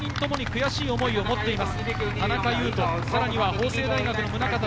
この３人は３人ともに悔しい思いを持っています。